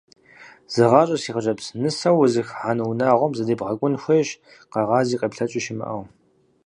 Зэгъащӏэ си хъыджэбз: нысэу узыхыхьэну унагъуэм задебгъэкӏун хуейщ, къэгъази къеплъэкӏи щымыӏэу.